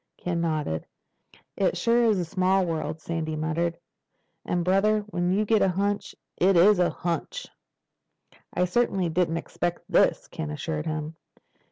Ken nodded. "It sure is a small world," Sandy muttered. "And brother, when you get a hunch, it is a hunch!" "I certainly didn't expect this," Ken assured him.